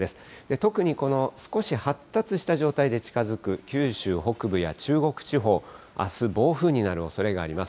特にこの少し発達した状態で近づく九州北部や中国地方、あす、暴風になるおそれがあります。